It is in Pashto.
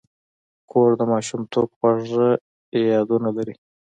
کور د ماشومتوب خواږه یادونه لري.